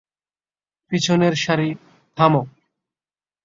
পিছনের সারি, থামো!